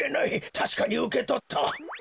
たしかにうけとった。